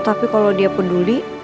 tapi kalau dia peduli